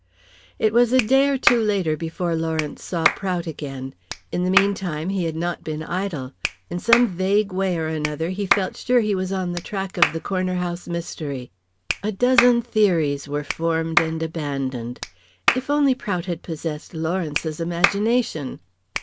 It was a day or two later before Lawrence saw Prout again. In the meantime he had not been idle. In some vague way or another he felt sure he was on the track of the Corner House mystery. A dozen theories were formed and abandoned. If Prout had only possessed Lawrence's imagination!